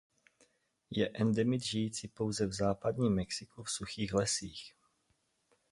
Je endemit žijící pouze v západním Mexiku v suchých lesích.